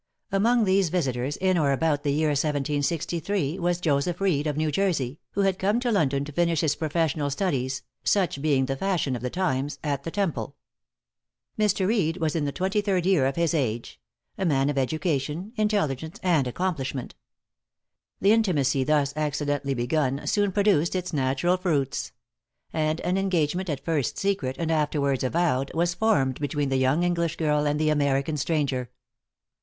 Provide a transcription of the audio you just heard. Among these visitors, in or about the year 1763, was Joseph Reed, of New Jersey, who had come to London to finish his professional studies (such being the fashion of the times) at the Temple. Mr. Reed was in the twenty third year of his age a man of education, intelligence, and accomplishment. The intimacy, thus accidentally begun, soon produced its natural fruits; and an engagement, at first secret, and afterwards avowed, was formed between the young English girl and the American stranger.